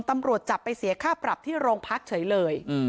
ตำรวจจับไปเสียค่าปรับที่โรงพักเฉยเลย